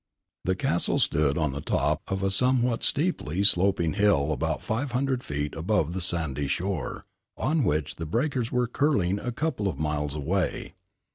The castle stood on the top of a somewhat steeply sloping hill about five hundred feet above the sandy shore, on which the breakers were curling a couple of miles away.